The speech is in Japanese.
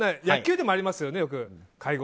野球でもありますよね。